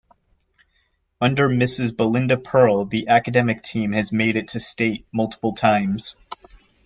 Under Mrs. Belinda Pearl the Academic team has made it to state multiple times.